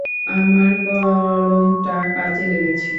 আমার কলমটা কাজে লেগেছে।